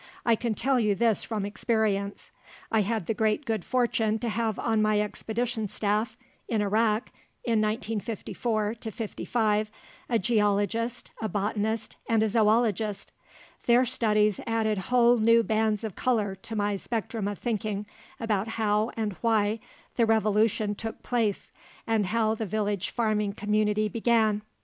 I can tell you this from experience. I had the great good fortune to have on my expedition staff in Iraq in 1954 55, a geologist, a botanist, and a zoologist. Their studies added whole new bands of color to my spectrum of thinking about how and why the revolution took place and how the village farming community began.